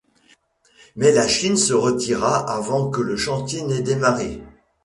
Mais la Chine se retira avant que le chantier n'ait démarré.